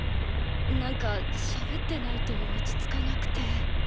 なんかしゃべってないと落ち着かなくて。